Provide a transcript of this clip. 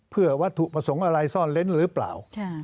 เพื่อวัตถุประสงค์อะไรซ่อนเล้นหรือเปล่า